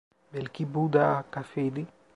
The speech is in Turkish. Belki bu da kâfiydi.